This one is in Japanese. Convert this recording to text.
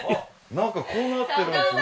中こうなってるんですね。